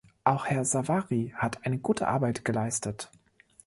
Auch Herr Savary hat eine gute Arbeit geleistet.